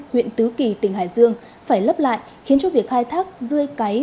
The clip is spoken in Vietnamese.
huyện tứ kỳ tỉnh hải dương phải lấp lại khiến cho việc khai thác dươi cái